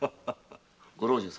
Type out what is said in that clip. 御老中様